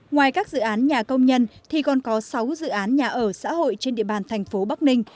ngoài các dự án nhà công nhân thì còn có sáu dự án nhà ở xã hội trên địa bàn thành phố bắc ninh